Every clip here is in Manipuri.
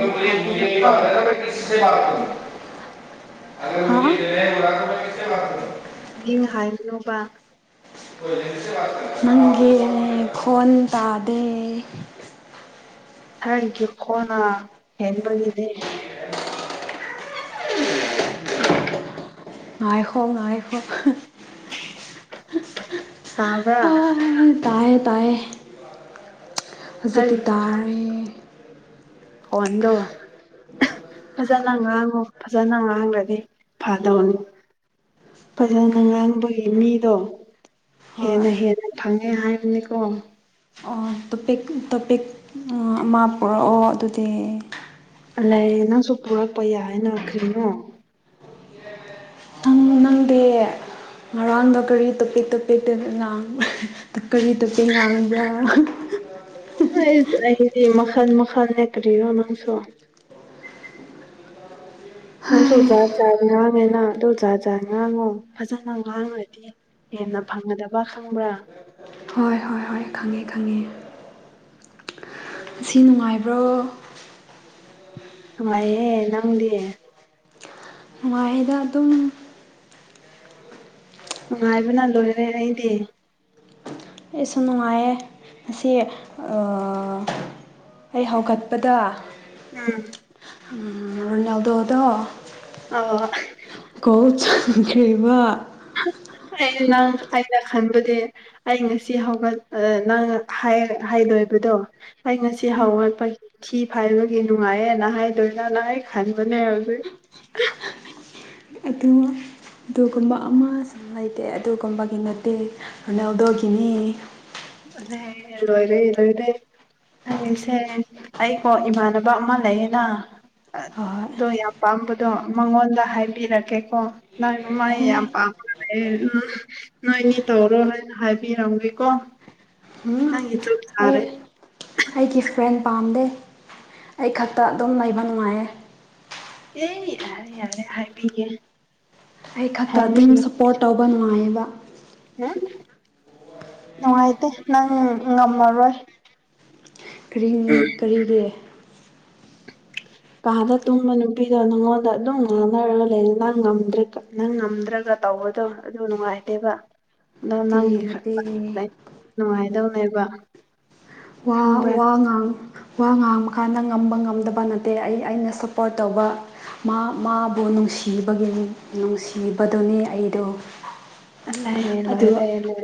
ꯌꯤꯡ ꯍꯥꯏꯒꯅꯣꯕ [unintelligible] [unintelligible] ꯍꯥꯏꯕꯅꯣꯕ ꯅꯪꯒꯤ ꯈꯣꯟ ꯇꯥꯗꯦ [unintelligible] [unintelligible] ꯀꯣꯅꯥ ꯍꯦꯟꯃꯒꯤꯅꯦ [unintelligible] ꯉꯥꯏꯍꯣ ꯉꯥꯏꯍꯣ ꯇꯥꯕ꯭ꯔ ꯇꯥꯏ ꯇꯑꯌꯦ ꯇꯥꯏꯌꯦ ꯍꯧꯖꯤꯛ ꯁꯥꯔꯒꯤ ꯇꯔꯦ ꯍꯣꯗ ꯐꯖꯅ ꯉꯥꯡꯉꯨ ꯐꯖꯅ ꯉꯥꯡꯂꯗꯤ ꯐꯗꯧꯅꯤ ꯐꯖꯅ ꯉꯥꯡꯕꯒꯤ ꯃꯤꯗꯣ ꯍꯣꯏ ꯍꯦꯟꯅ ꯍꯦꯟꯅ ꯐꯪꯉꯦ ꯍꯥꯏꯕꯅꯤꯀꯣ ꯑꯣ ꯇꯣꯄꯤꯛ ꯇꯣꯄꯤꯛ ꯑꯃ ꯄꯨꯔꯛꯑꯣ ꯑꯗꯨꯗꯤ ꯂꯩ ꯅꯪꯁꯨ ꯄꯨꯔꯛꯄ ꯌꯥꯏ ꯍꯥꯏꯅ ꯈ꯭ꯔꯤꯅꯣ ꯅꯪꯗꯦ ꯉꯔꯥꯡꯗꯣ ꯀꯔꯤ ꯇꯣꯄꯦꯛ ꯇꯣꯄꯦꯛꯇ ꯉꯥꯡꯕ ꯀꯔꯤ ꯇꯣꯄꯦꯛ ꯉꯥꯡꯕ꯭ꯔꯥ ꯑꯩꯗꯤ ꯃꯈꯜ ꯃꯈꯜ ꯅꯠꯇꯔꯦ ꯅꯪꯁꯨ [unintelligible] ꯅꯪꯁꯨ ꯖꯥꯖꯥꯗꯤ ꯉꯥꯡꯉꯦꯅ ꯑꯗꯨꯣ ꯖꯥ ꯆꯖꯥ ꯉꯥꯡꯉꯣ ꯐꯖꯅ ꯉꯥꯡꯉꯗꯤ ꯍꯦꯟꯅ ꯐꯪꯒꯗꯕ ꯈꯪꯕ꯭ꯔꯥ ꯍꯣꯏ ꯍꯣꯏ ꯍꯣꯏ ꯈꯪ ꯈꯪꯉꯦ ꯈꯪꯉꯦ ꯅꯥꯁꯤ ꯅꯨꯡꯉꯥꯏꯕ꯭ꯔꯣ ꯅꯨꯡꯉꯥꯏꯌ‌ꯦ ꯅꯪꯗꯤ ꯅꯨꯡꯉꯥꯏꯗ ꯑꯗꯨꯝ ꯅꯨꯡꯉꯥꯏꯕꯅ ꯂꯣꯏꯔꯦ ꯑꯩꯗꯤ ꯑꯩꯁꯨ ꯅꯨꯡꯉꯥꯏꯌꯦ ꯉꯁꯤ ꯑꯥꯥ ꯑꯩ ꯍꯧꯒꯠꯄꯗ‌ꯣ ꯎꯝ ꯎꯝ ꯔꯣꯅꯥꯜꯗ‌ꯣ ꯗ‌ꯣ ꯑꯣ ꯀꯧꯁ ꯈꯔꯤꯕ ꯑ ꯉꯥꯡꯕ ꯑꯥꯏꯩꯅ ꯈꯟꯕꯗꯤ ꯑꯩ ꯉꯁꯤ ꯍꯧꯒꯠ ꯅꯪ ꯍꯥꯏ ꯍꯥꯏꯗꯣꯏꯕꯗꯣ ꯑꯩ ꯉꯁꯤ ꯍꯧꯒꯠꯄꯩ ꯊꯤ ꯐꯥꯏꯕꯒꯤ ꯅꯨꯡꯉꯥꯏꯌꯦ ꯅ ꯍꯥꯏꯗꯣꯏꯔ ꯅꯍꯥꯏ ꯈꯟꯕꯅꯦ ꯑꯗꯨ ꯑꯗꯨꯅꯦ ꯑꯗꯨꯒꯨꯝꯕ ꯑꯃ ꯁꯨ ꯂꯩꯇꯦ ꯑꯗꯨꯒꯨꯝꯕꯒꯤ ꯅꯠꯇꯦ ꯔꯣꯅꯥꯜꯗꯣꯒꯤꯅꯤ ꯑꯗꯨ ꯂꯣꯏꯔꯦ ꯂꯣꯏꯔꯦ ꯑꯩꯁꯦ ꯑꯩꯀꯣ ꯏꯃꯥꯟꯅꯕ ꯑꯃ ꯂꯩꯌꯦꯕ ꯍꯣꯏ ꯑꯗꯣ ꯌꯥꯝ ꯄꯥꯝꯕꯗꯣ ꯃꯉꯣꯟꯗ ꯍꯥꯏꯕꯤꯔꯛꯀꯦꯀꯣ ꯂꯥꯏꯛ ꯃꯥ ꯑꯦ ꯌꯥꯝ ꯄꯥꯝꯃꯒꯥ ꯂꯩꯌꯦ ꯅꯣꯏꯅꯤ ꯇꯧꯔꯣ ꯍꯥꯏꯅ ꯍꯥꯏꯕꯤꯔꯝꯒꯦꯀꯣ ꯎꯝ ꯅꯪꯒꯤ ꯇ꯭ꯔꯨꯠ ꯑꯩ ꯇꯥꯔꯦ ꯑꯩꯒꯤ ꯐ꯭ꯔꯦꯟ ꯄꯥꯝꯗꯦ ꯑꯩ ꯈꯛꯇ ꯑꯗꯨꯝ ꯂꯩꯕ ꯅꯨꯡꯉꯥꯏꯌꯦ ꯑꯦ ꯌꯥꯔꯦ ꯌꯥꯔꯦ ꯍꯥꯏꯔꯕꯤꯒꯦ ꯑꯩ ꯈꯛꯇ ꯑꯗꯨꯝ ꯁꯞꯄꯣꯔꯠ ꯇꯧꯕ ꯅꯨꯡꯉꯥꯏꯌꯦꯕ ꯎꯝ ꯅꯨꯡꯉꯥꯏꯇꯦ ꯅꯪ ꯉꯝꯃꯔꯣꯏ ꯀꯔꯤ ꯀꯔꯤꯒꯤ ꯀꯥꯗ ꯇꯨꯝꯕ ꯅꯨꯄꯤꯗꯣ ꯅꯪꯉꯣꯟꯗ ꯑꯗꯨꯝ ꯉꯥꯡꯅꯔꯒ ꯂꯩꯔꯅ ꯉꯝꯗ꯭ꯔꯦꯀ ꯅꯪ ꯉꯝꯗ꯭ꯔꯒ ꯇꯧꯕꯗꯣ ꯑꯗꯨ ꯅꯨꯡꯉꯥꯏꯇꯦꯕ ꯑꯗꯣ ꯅꯠꯇꯦ ꯅꯪꯒꯤ ꯅꯠꯇꯦ ꯀꯛꯇ ꯅꯨꯡꯉꯥꯏꯗꯧꯅꯦꯕ ꯋꯥ ꯈꯪꯕ꯭ꯔꯥ ꯋꯥ ꯉꯥꯡ ꯋꯥ ꯉꯥꯡꯕ ꯀꯥꯟꯗ ꯉꯝꯕ ꯉꯝꯗꯕ ꯅꯠꯇꯦ ꯑꯩ ꯑꯩꯅ ꯁꯞꯄꯣꯔꯠ ꯇꯧꯕ ꯃꯥ ꯃꯥꯕꯨ ꯅꯨꯡꯁꯤꯕꯒꯤꯅꯤ ꯅꯨꯡꯁꯤꯕꯗꯨꯅꯤ ꯑꯩꯗꯣ ꯑꯜꯂꯥꯏ ꯑꯗꯨ ꯂꯣꯏꯔꯦ ꯂꯣꯏ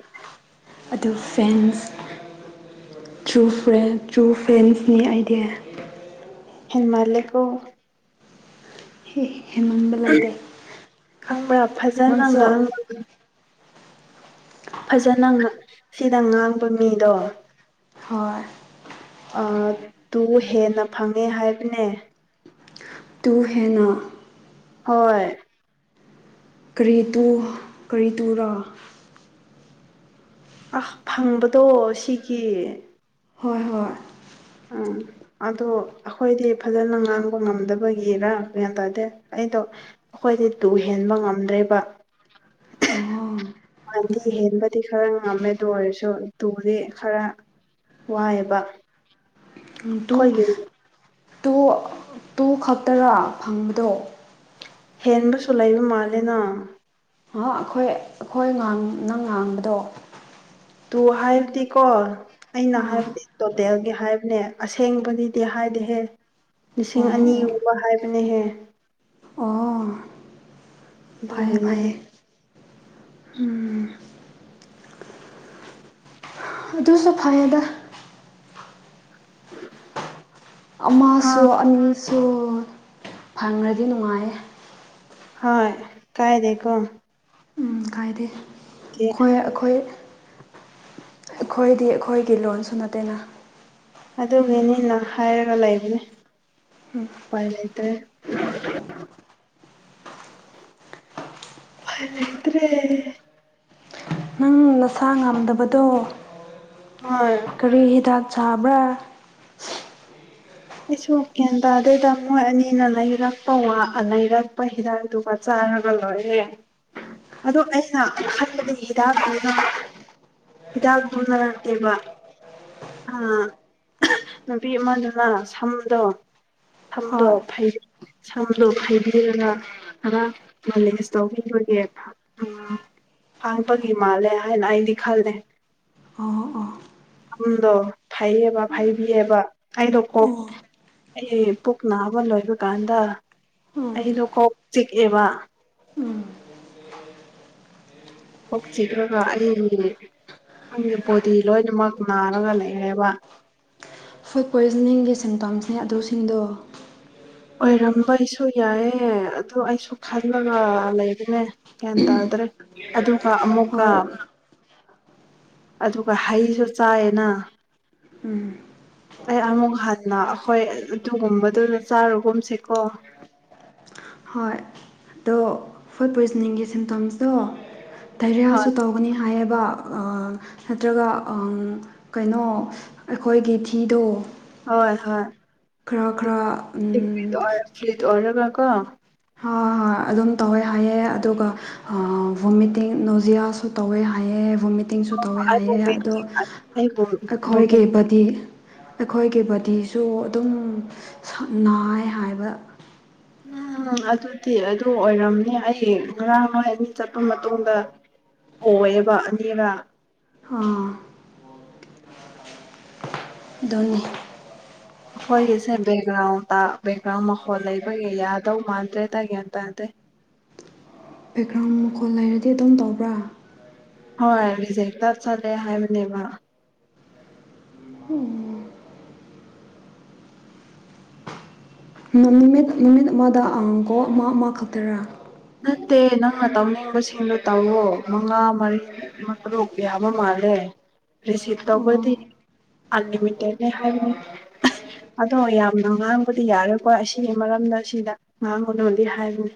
ꯑꯗꯨ ꯐꯦꯟꯁ ꯇ꯭ꯔꯨ ꯐ꯭ꯔꯦꯟ ꯇ꯭ꯔꯨ ꯐ꯭ꯔꯦꯟꯁꯅꯤ ꯑꯩꯗꯤ ꯍꯦꯃꯥꯜꯂꯦ ꯀꯣ ꯍꯦ ꯍꯦꯟꯃꯟꯕ ꯂꯩꯇꯦ ꯈꯪꯕ꯭ꯔꯥ ꯐꯖꯅ ꯅꯪꯁꯨ ꯉꯥꯡ ꯐꯖꯅ ꯁꯤꯗ ꯉꯥꯡꯕ ꯃꯤꯗꯣ ꯍꯣꯏ ꯑꯥ ꯇꯨ ꯍꯦꯟꯅ ꯐꯪꯉꯦ ꯍꯥꯏꯕꯅꯦ ꯇꯨ ꯍꯦꯟꯅ ꯍꯣꯏ ꯀꯔꯤ ꯇꯨ ꯀꯔꯤ ꯇꯨ ꯔꯥ ꯑꯥ ꯐꯪꯕꯗꯣ ꯁꯤꯒꯤ ꯍꯣꯏ ꯍꯣꯏ ꯑꯝ ꯑꯗꯣ ꯑꯩꯈꯣꯏꯗꯤ ꯐꯖꯅ ꯉꯥꯡꯕ ꯉꯝꯗꯕꯒꯤꯔ ꯒꯌ꯭ꯥꯟ ꯇꯥꯗꯦ ꯑꯩꯗꯣ ꯑꯩꯈꯣꯏꯗꯤ ꯇꯨ ꯍꯦꯟꯕ ꯉꯝꯗ꯭ꯔꯦꯕ ꯑꯣ ꯉꯥꯟꯗꯤ ꯍꯦꯟꯕꯗꯤ ꯈꯔ ꯉꯝꯃꯦ ꯑꯗꯨ ꯑꯣꯏꯔꯁꯨ ꯇꯨꯗꯤ ꯈꯔ ꯋꯥꯏꯑꯕ ꯇꯨ ꯇꯨ ꯇꯨ ꯈꯛꯇꯔ ꯐꯪꯕꯗꯣ ꯍꯦꯟꯕꯁꯨ ꯂꯩꯕ ꯃꯥꯂꯦꯅ ꯑꯩꯈꯣꯏ ꯑꯩꯈꯣꯏꯥꯡ ꯅꯪ ꯉꯥꯡꯕꯗꯣ ꯇꯨ ꯍꯥꯏꯕꯗꯤꯀꯣ ꯑꯩꯅ ꯑꯥ ꯍꯥꯏꯕꯗꯤ ꯇꯣꯇꯦꯜꯒꯤ ꯍꯥꯏꯕꯅꯦ ꯑꯁꯦꯡꯕꯗꯤꯗꯤ ꯍꯥꯏꯗꯤꯍꯦ ꯂꯤꯁꯤꯡ ꯑꯣ ꯑꯅꯤ ꯑꯣ ꯍꯥꯏꯕꯅꯦꯍꯦ ꯐꯔꯦ ꯐꯔꯦ ꯑꯗꯨꯒꯤꯅꯦꯍꯦ ꯑꯗꯨꯁꯨ ꯐꯌꯦꯗ ꯑꯃꯁꯨ ꯑꯥ ꯑꯅꯤꯁꯨ ꯐꯪꯔꯗꯤ ꯅꯨꯡꯉꯥꯏꯌꯦ ꯍꯣꯏ ꯀꯥꯏ ꯂꯩꯀꯣ ꯎꯝ ꯀꯥꯏꯗꯦ ꯈꯣꯏ ꯑꯩꯈꯣꯏ ꯑꯩꯈꯣꯏꯗꯤ ꯑꯩꯈꯣꯏꯒꯤ ꯂꯣꯟꯁꯨ ꯅꯠꯇꯦꯅ ꯑꯗꯨ ꯒꯤꯅꯤꯅ ꯍꯥꯏꯔꯒ ꯂꯩꯕꯅꯦ ꯎꯝ ꯎꯄꯥꯏ ꯂꯩꯇ꯭ꯔꯦ ꯂꯩꯇ꯭ꯔꯦ ꯎꯝ ꯅꯁꯥ ꯉꯝꯗꯕꯗꯣ ꯍꯣꯏ ꯀꯔꯤ ꯍꯤꯗꯥꯛ ꯆꯥꯕ꯭ꯔꯥ ꯑꯩꯁꯨ ꯒ꯭ꯌꯥꯟ ꯇꯥꯗꯦꯗ ꯃꯣꯏ ꯑꯅꯤꯅ ꯂꯩꯔꯛꯄ ꯂꯩꯔꯛꯄ ꯍꯤꯗꯥꯛꯗꯨ ꯆꯥꯔꯒ ꯂꯣꯏꯔꯦ ꯑꯗꯣ ꯑꯩꯅꯍꯟꯕꯒꯤ ꯍꯤꯗꯥꯛꯇꯨꯗꯣ ꯍꯤꯗꯥꯛꯇꯨ ꯂꯩꯔꯛꯇꯦꯕ ꯑ ꯅꯨꯄꯤ ꯑꯃꯗꯨꯅ ꯁꯝꯗꯣ ꯁꯝꯗꯣ ꯍꯣꯏ ꯐꯩꯔ ꯁꯝꯗꯣ ꯐꯩꯕꯤꯔꯒ ꯈꯔ ꯃꯣꯂꯦꯖ ꯇꯧꯕꯤꯕꯒꯤ ꯎꯝ ꯐꯥꯕꯒꯤ ꯃꯥꯜꯂꯦ ꯍꯥꯏꯅ ꯑꯩꯗꯤ ꯈꯜꯂꯦ ꯑꯣ ꯑꯣ ꯁꯨꯝꯗꯣ ꯐꯩꯌꯦꯕ ꯐꯩꯕꯤꯌꯦꯕ ꯑꯩꯗꯣ ꯀꯣꯛ ꯑꯣ ꯑꯩ ꯄꯨꯛ ꯅꯥꯕ ꯂꯣꯏꯕ ꯀꯥꯟꯗ ꯎꯝ ꯑꯩꯗꯣ ꯀꯣꯛ ꯆꯤꯛꯑꯦꯕ ꯎꯝ ꯀꯣꯛ ꯆꯤꯛꯂꯒ ꯑꯩꯒꯤ ꯑꯩꯒꯤ ꯕꯣꯗꯤ ꯂꯣꯏꯅꯃꯛ ꯅꯥꯔꯒ ꯂꯩꯔꯦꯕ ꯐꯨꯗ ꯄꯣꯏꯖꯅꯤꯡꯒꯤ ꯁꯤꯝꯇꯣꯝꯁꯦ ꯑꯗꯨꯁꯤꯡꯗꯣ ꯑꯣꯏꯔꯝꯕꯩꯁꯨ ꯌꯥꯏꯑꯦ ꯑꯗꯨ ꯑꯩꯁꯨ ꯈꯜꯂꯒ ꯂꯩꯕꯅꯦ ꯒ꯭ꯌꯥꯟ ꯇꯥꯗ꯭ꯔꯦ ꯑꯗꯨꯒ ꯑꯃꯨꯀ ꯍꯣꯏ ꯑꯗꯨꯒ ꯍꯩꯁꯨ ꯆꯥꯏꯌꯦꯅ ꯎꯝ ꯑꯩ ꯑꯃꯨꯛ ꯍꯟꯅ ꯑꯈꯣꯏ ꯑꯗꯨꯒꯨꯝꯕꯗꯨ ꯆꯥꯔꯒꯨꯝꯁꯤꯀꯣ ꯍꯣꯏ ꯑꯗꯣ ꯐꯨꯗ ꯄꯣꯏꯖꯅꯤꯡꯒꯤ ꯁꯤꯝꯇꯣꯝꯁꯇꯣ ꯗꯥꯏꯔꯤꯌꯥꯁꯨ ꯍꯣꯏ ꯇꯧꯒꯅꯤ ꯍꯥꯏꯌꯦꯕ ꯅꯠꯇ꯭ꯔꯒ ꯀꯩꯅꯣ ꯑꯩꯈꯣꯏꯒꯤ ꯊꯤꯗꯣ ꯍꯣꯏ ꯍꯣꯏ ꯈꯔ ꯈꯔ ꯑꯦ ꯐ꯭ꯠ ꯐ꯭ꯔꯤꯠ ꯑꯣꯢꯔꯒꯀꯣ ꯍꯣꯏ ꯍꯣꯏ ꯑꯗꯨꯝ ꯇꯧꯋꯦ ꯍꯥꯏꯌꯦ ꯑꯗꯨꯒ ꯚꯣꯃꯤꯇꯤꯡ ꯅꯣꯖꯤꯌꯥꯁꯨ ꯇꯧꯋꯦ ꯍꯥꯏꯌꯦ ꯃꯤꯇꯤꯡꯁꯨ ꯇꯧꯋꯦ ꯑꯩ ꯍꯥꯏꯌꯦ ꯑꯗꯣ ꯃꯣꯃꯦꯟꯇꯤ ꯑꯩꯕꯨ ꯑꯩꯈꯣꯏꯒꯤ ꯚꯣꯃꯤꯠ ꯗꯤ ꯑꯩꯈꯣꯏꯒꯤ ꯕꯣꯗꯤꯁꯨ ꯑꯗꯨꯝ ꯅꯥꯏ ꯍꯥꯏꯕ ꯎꯝ ꯑꯗꯨꯗꯤ ꯑꯗꯨ ꯑꯣꯏꯔꯝꯅꯤ ꯑꯩ ꯉꯔꯥꯡ ꯑꯃꯥꯏ ꯑꯅꯤ ꯆꯠꯄ ꯃꯇꯨꯡꯗ ꯑꯣꯌꯦꯕ ꯑꯅꯤꯔꯛ ꯑꯥ ꯗꯨꯅꯤ ꯑꯩꯈꯣꯏꯒꯤꯁꯦ ꯕꯦꯛꯒ꯭ꯔꯥꯎꯟꯗ ꯕꯦꯛꯒ꯭ꯔꯥꯎꯟ ꯃꯈꯣꯜ ꯂꯩꯕꯒꯤ ꯌꯥꯗꯧ ꯃꯥꯟꯗ꯭ꯔꯦꯗ ꯒ꯭ꯌꯥꯟ ꯇꯗꯦ ꯕꯦꯛꯒ꯭ꯔꯥꯎꯟ ꯃꯈꯣꯜ ꯂꯩꯔꯗꯤ ꯑꯗꯨꯝ ꯇꯧꯕ꯭ꯔꯥ ꯍꯣꯏ ꯔꯤꯖꯦꯛꯇ ꯆꯠꯂꯦ ꯍꯥꯏꯕꯅꯦꯕ ꯎꯝ ꯅꯨꯃꯤꯠ ꯅꯨꯃꯤꯠ ꯑꯃꯗ ꯑꯀꯣ ꯑꯃ ꯑꯃ ꯈꯛꯇꯔꯥ ꯅꯠꯇꯦ ꯅꯪꯅ ꯇꯧꯅꯤꯡꯕꯁꯤꯡꯗꯨ ꯇꯧꯋꯣ ꯃꯉꯥ ꯃꯔꯤ ꯇꯔꯨꯛ ꯌꯥꯕ ꯃꯥꯜꯂꯦ ꯔꯤꯁꯤꯚ ꯇꯧꯕꯗꯤ ꯑꯣ ꯑꯟꯂꯤꯃꯤꯇꯦꯠꯅꯦ ꯍꯥꯏꯕꯅꯤ ꯑꯗꯣ ꯌꯥꯝꯅ ꯉꯥꯡꯕꯗꯤ ꯌꯥꯔꯦꯀꯣꯏ ꯑꯁꯤꯒꯤ ꯃꯔꯝꯅ ꯁꯤꯗ ꯉꯥꯡꯒꯅꯣꯗꯤ ꯍꯥꯏꯕꯅꯤ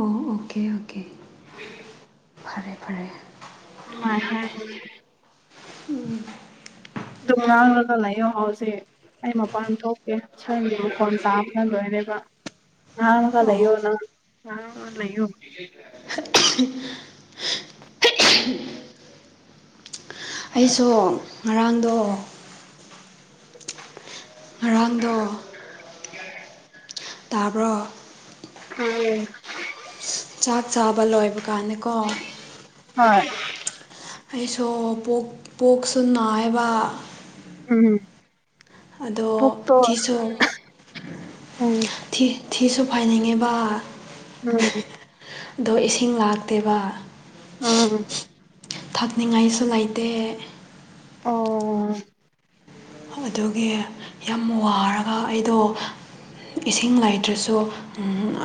ꯑꯣ ꯑꯣꯀꯦ ꯑꯣꯀꯦ [unintelligible] [unintelligible] [unintelligible] [inaudible] ꯑꯗꯨꯝꯅ ꯂ ꯂꯩ ꯑꯣ ꯍꯥꯎꯁꯦ ꯑꯩ ꯃꯄꯥꯟ ꯊꯣꯛꯀꯦ ꯁꯟꯒꯤ ꯃꯈꯣꯟ ꯇꯥꯕꯅ ꯂꯣꯏꯅꯦꯕ ꯉꯥꯪ ꯉꯒꯥ ꯑꯣ ꯂꯩꯌꯣ ꯅꯣ [unintelligible] ꯑꯩꯁꯨ ꯉꯔꯥꯡꯗꯣ ꯉꯔꯥꯡꯗꯣ [unintelligible] ꯇꯥꯕ꯭ꯔꯣ ꯎꯝ ꯆꯥꯛ ꯆꯥꯕ ꯂꯣꯏꯕ ꯀꯥꯟꯅꯤꯀꯣ [unintelligible] ꯑꯩꯁꯨ ꯄꯣꯛꯁꯨ ꯅꯥꯏꯕ ꯎꯝꯝ ꯑꯗꯣ ꯄꯨꯛꯇꯣ ꯊꯤꯁꯨ ꯎꯝ ꯊꯤ ꯊꯤꯁꯨ ꯐꯥꯏꯅꯤꯡꯉꯦꯕ ꯎꯝ ꯑꯗꯣ ꯏꯁꯤꯡ ꯂꯥꯛꯇꯦꯕ ꯎꯝ ꯊꯛꯅꯤꯡꯉꯥꯏꯁꯨ ꯂꯩꯇꯦ ꯑꯣ ꯑꯗꯨꯒꯤ ꯌꯥꯝ ꯋꯥꯔꯒ ꯑꯩꯗꯣ ꯏꯁꯤꯡ ꯂꯩꯥꯏꯇ꯭ꯔꯁꯨ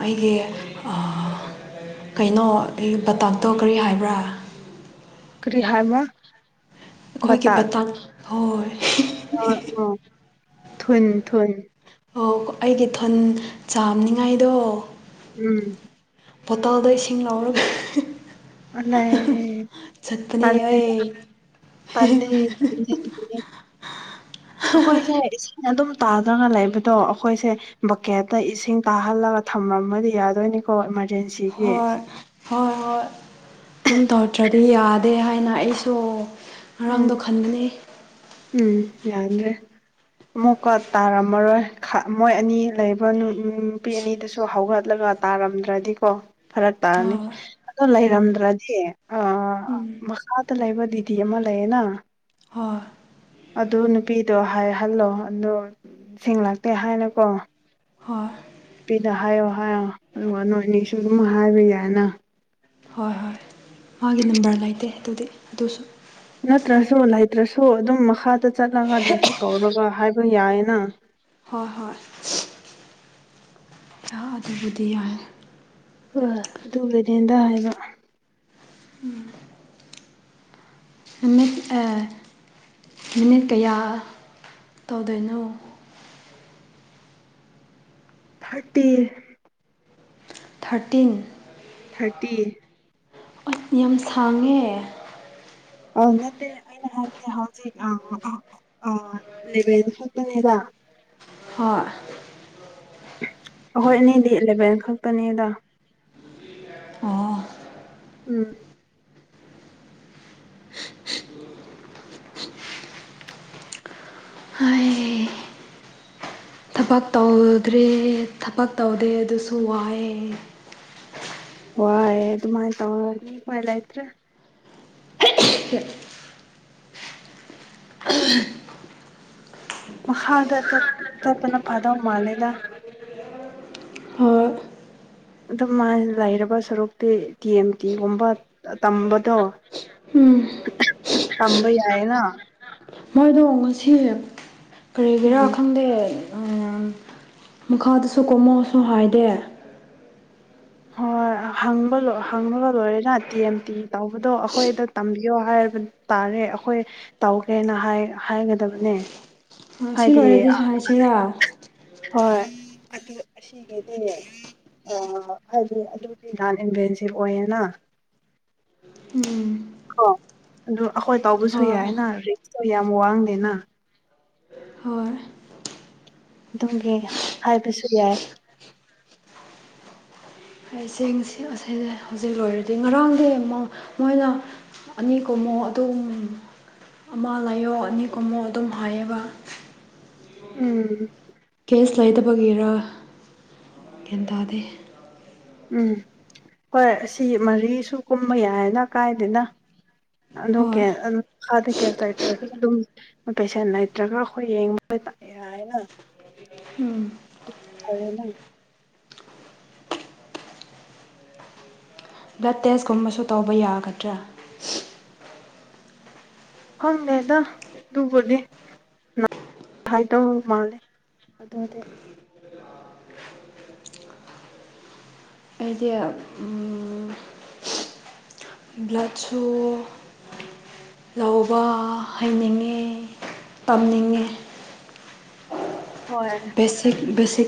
ꯑꯩꯒꯤ ꯀꯩꯅꯣ ꯑꯩ ꯄꯇꯥꯛꯇꯣ ꯀꯔꯤ ꯍꯥꯏꯕ꯭ꯔꯥ ꯀꯔꯤ ꯍꯥꯏꯕꯔꯥ ꯑꯩꯈꯣꯏꯒꯤ ꯄꯇꯥꯡ ꯍꯣꯏ ꯑ ꯑꯣ ꯊꯟ ꯊꯟ ꯑꯣ ꯑꯩꯒꯤ ꯊꯣꯟ ꯆꯥꯝꯅꯤꯡꯉꯥꯏꯗꯣ ꯎꯝ ꯕꯣꯇꯥꯜꯗ ꯏꯁꯤꯡ ꯂꯧꯔꯒ ꯑꯂꯥꯏ ꯆꯠꯄꯅꯤ ꯑꯩ ꯄꯦ ꯍꯣꯏ ꯍ ꯑꯗꯨꯝ ꯇꯥꯗꯅ ꯂꯩꯕꯗꯣ ꯑꯩꯈꯣꯏꯁꯦ ꯕꯛꯀꯦꯠꯇ ꯏꯁꯤꯡ ꯀꯥꯍꯜꯂꯒ ꯊꯝꯃꯝꯃꯗꯤ ꯌꯥꯗꯣꯏꯅꯤ ꯀꯣ ꯏꯃꯔꯖꯦꯟꯁꯤ ꯍꯣꯏ ꯍꯣꯏ ꯍꯣꯏ ꯑꯗꯨꯝ ꯇꯧꯗ꯭ꯔꯗꯤ ꯌꯥ ꯗꯦ ꯍꯥꯏꯅ ꯑꯩꯁꯨ ꯎꯝ ꯉꯔꯥꯡꯗꯣ ꯈꯟꯩ ꯎꯝ ꯌꯥꯗ꯭ꯔꯦ ꯑꯃꯨꯛꯀ ꯇꯥꯔꯝꯃꯔꯣꯏ ꯃꯣꯏ ꯑꯅꯤ ꯂꯩꯕ ꯅꯨꯄꯤ ꯑꯅꯤꯗꯨꯁꯨ ꯍꯧꯒꯠꯂꯒ ꯇꯥꯔꯝꯗ꯭ꯔꯗꯤꯀꯣ ꯐꯔꯛ ꯇꯥꯔꯅꯤ ꯍꯣꯏ ꯑꯣ ꯎꯝ ꯂꯩꯔꯝꯗ꯭ꯔꯗꯤ ꯑ ꯎꯝ ꯃꯈꯥꯗ ꯂꯩꯕ ꯗꯤꯗꯤ ꯑꯃ ꯂꯩꯌꯦꯅ ꯍꯣꯏ ꯑꯗꯨ ꯅꯨꯄꯤꯗꯣ ꯍꯥꯏꯍꯜꯂꯣ ꯑꯗꯣ ꯦꯡꯡꯂꯛꯇꯦ ꯍꯥꯏꯅꯀꯣ ꯍꯣꯏ ꯅꯨꯄꯤꯗ ꯍꯥꯏꯌꯣ ꯍꯥꯏꯌꯣ ꯑꯗꯨꯒ ꯅꯣꯏ ꯑꯅꯤꯁꯨ ꯑꯗꯨꯝ ꯍꯥꯏꯕ ꯌꯥꯏꯅ ꯍꯣꯏ ꯍꯣꯏ ꯃꯥꯒꯤ ꯅꯝꯕꯔ ꯂꯩꯇꯦ ꯑꯗꯨꯗꯤ ꯑꯗꯨꯁꯨ ꯅꯠꯇ꯭ꯔꯁꯨ ꯂꯩꯇ꯭ꯔꯁꯨ ꯑꯗꯨꯝ ꯃꯈꯥꯗ ꯆꯠꯂꯒ ꯗꯗꯤꯗꯤ ꯀꯧꯔꯒ ꯍꯥꯏꯕ ꯌꯥꯏꯌꯦꯅ ꯍꯣꯏ ꯍꯣꯏ ꯑꯗꯨꯕꯨꯗꯤ ꯌꯥꯏ ꯑ ꯑꯗꯨꯕꯨ ꯅꯦꯟꯗ ꯍꯥꯏꯕ ꯑꯦ ꯅꯨꯃꯤꯠ ꯀꯌꯥ ꯇꯧꯗꯣꯏꯅꯣ ꯊꯥꯔꯇꯤ ꯊꯥꯔꯇꯤꯟ ꯊꯥꯔꯇꯤ ꯌꯥꯝ ꯁꯥꯡꯉꯦ ꯑ ꯅꯠꯇꯦ ꯑꯩꯅ ꯍꯥꯏꯦ ꯍꯧꯖꯤꯛ ꯂꯚꯦꯟ ꯐꯛꯇꯅꯤꯗ ꯍꯣꯏ ꯑꯩꯈꯣꯏ ꯑꯅꯤꯗꯤ ꯏꯂꯚꯦꯟ ꯈꯛꯇꯅꯤꯗ ꯑꯣ ꯎꯝ ꯍꯥꯏ ꯊꯕꯛ ꯇꯧꯗ꯭ꯔꯦ ꯊꯕꯛ ꯇꯧꯗꯦ ꯑꯗꯨꯁꯨ ꯋꯥꯏꯑꯦ ꯋꯥ ꯌꯦ ꯑꯗꯨ ꯃꯥꯥꯏ ꯇꯋꯥ ꯅ ꯃꯥꯏꯂꯇ꯭ꯔ ꯍ ꯃꯈꯥꯗꯠ ꯇꯠꯠꯇꯅ ꯐꯥꯗ ꯃꯥꯜꯂꯦꯗ ꯍꯣꯏ ꯑꯗꯨ ꯃꯥ ꯂꯩꯔꯕ ꯁꯔꯨꯛꯇꯤ ꯇꯤ ꯑꯦꯝ ꯇꯤꯒꯨꯝꯕ ꯇꯝꯕꯗꯣ ꯎꯝ ꯇꯝꯕꯩꯌꯦꯅ ꯃꯣꯏꯗꯣ ꯉꯁꯤ ꯀꯔꯤꯒꯤꯔꯥ ꯎꯝ ꯈꯪꯗꯦ ꯃꯈꯥꯗꯁꯨ ꯀꯣꯝꯃꯣꯁꯨ ꯍꯥꯏꯗꯦ ꯍꯣꯏ ꯍꯕ ꯍꯪꯕꯒ ꯂꯣꯏꯔꯦꯅ ꯇꯤ ꯑꯦꯝ ꯇꯤ ꯇꯧꯕꯗꯣ ꯑꯩꯈꯣꯏ ꯑꯗ ꯇꯝꯕꯤꯌꯣ ꯍꯥꯏꯔꯕꯅꯤ ꯇꯥꯔꯦ ꯑꯩꯈꯣꯏ ꯇꯧꯒꯦꯅ ꯍꯥꯏꯒꯗꯕꯅꯦ ꯁꯤ ꯍꯥꯏꯗꯤ ꯂꯣꯏꯔꯗꯤ ꯍꯥꯏꯁꯤꯔꯥ ꯍꯣꯏ ꯑꯗꯨ ꯑꯁꯤꯒꯤꯗꯤꯅꯦ ꯑꯣ ꯍꯥꯏꯗꯤ ꯑꯗꯨꯗꯤ ꯅꯍꯥꯟꯚꯦꯟꯁꯤ ꯑꯣꯏꯌꯦꯅ ꯎꯝ ꯀꯣ ꯑꯗꯨ ꯑꯩꯈꯣꯏ ꯇꯥꯎꯕꯁꯨ ꯍꯣꯏ ꯌꯥꯏꯅ ꯔꯤꯛꯁꯇꯣ ꯌꯥꯝ ꯋꯥꯡꯗꯦꯅ ꯍꯣꯏ ꯑꯗꯨꯝꯒꯤ ꯍꯥꯏꯕꯁꯨ ꯌꯥꯏ ꯑꯩ ꯆꯦꯡꯁꯤ ꯑꯁꯤꯁ ꯍꯧꯖꯤꯛ ꯂꯣꯏꯔꯗꯤ ꯉꯔꯥꯡꯗꯤ ꯑꯃꯨꯛ ꯃꯣꯏꯅ ꯑꯅꯤ ꯀꯨꯝꯃꯣ ꯑꯗꯨꯝ ꯑꯃ ꯂꯥꯏꯌꯣ ꯑꯅꯤ ꯀꯨꯝꯃꯣ ꯑꯗꯨꯝ ꯍꯥꯏꯌꯦꯕ ꯎꯝ ꯀꯦꯁ ꯂꯩꯇꯕꯒꯤꯔ ꯒ꯭ꯌꯥꯟ ꯇꯥꯗꯦ ꯎꯝ ꯍꯣꯏ ꯑꯁꯤ ꯃꯔꯤꯁꯨ ꯀꯨꯝꯕ ꯌꯥꯏꯅ ꯀꯥꯏꯗꯅ ꯑꯗꯣꯀꯦ ꯍꯣꯏ ꯑꯗꯨ ꯑꯥꯗ ꯀꯦꯁ ꯂꯩꯇ꯭ꯔꯁꯨ ꯑꯗꯨꯝ ꯄꯦꯁꯦꯟ ꯂꯩꯇ꯭ꯔꯒ ꯑꯩꯈꯣꯏ ꯌꯦꯡ ꯃꯣꯏ ꯇꯥꯛꯑꯦ ꯅꯔꯦꯅ ꯎꯝ ꯕ꯭ꯂꯗ ꯇꯦꯁꯀꯨꯝꯕꯁꯨ ꯇꯧꯕ ꯌꯥꯒꯗ꯭ꯔꯥ ꯍꯪꯅꯦꯦꯗ ꯂꯕꯨꯅꯦ ꯥꯏꯗ ꯃꯥꯂꯦ ꯑꯗꯨꯗꯤ ꯑꯩꯁꯦ ꯕ꯭ꯂꯠꯁꯨ ꯂꯧꯕ ꯍꯩꯅꯤꯡꯉꯦ ꯇꯝꯅꯤꯡꯉꯦ ꯍꯣꯏ ꯕꯦꯁꯤꯛ ꯕꯦꯁꯤꯛꯁ